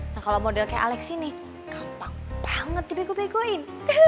nah kalau model kayak alex ini gampang banget dipiku pikuin